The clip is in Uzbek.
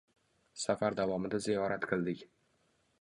Safar davomida ziyorat qildik.